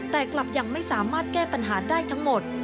แต่กลับยังไม่สามารถแก้ปัญหาได้ทั้งหมด